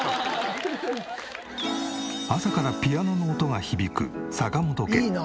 朝からピアノの音が響く坂本家。